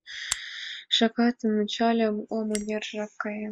Шагатым ончальым — о, мыняр жап каен!